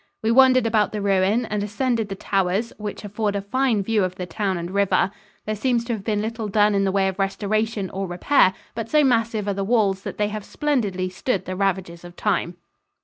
We wandered about the ruin and ascended the towers, which afford a fine view of the town and river. There seems to have been little done in the way of restoration, or repair, but so massive are the walls that they have splendidly stood the ravages of time.